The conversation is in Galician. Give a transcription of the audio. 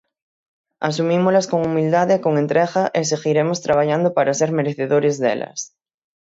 Asumímolas con humildade e con entrega e seguiremos traballando para ser merecedores delas.